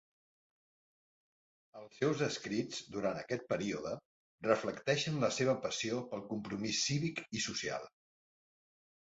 Els seus escrits durant aquest període reflecteixen la seva passió pel compromís cívic i social.